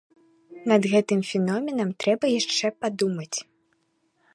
Над гэтым феноменам трэба яшчэ падумаць.